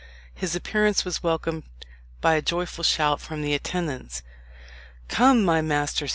His appearance was welcomed by a joyful shout from the attendants. "Come, my masters!"